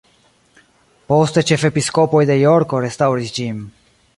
Poste ĉefepiskopoj de Jorko restaŭris ĝin.